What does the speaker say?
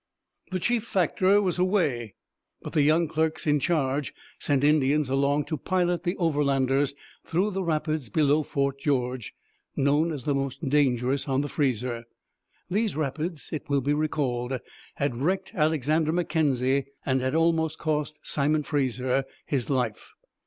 The chief factor was away, but the young clerks in charge sent Indians along to pilot the Overlanders through the rapids below Fort George, known as the most dangerous on the Fraser. These rapids, it will be recalled, had wrecked Alexander Mackenzie and had almost cost Simon Fraser his life.